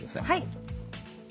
はい。